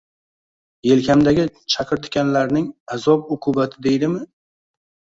Yelkamdagi chaqirtikanlarning azob-uqubati deydimi?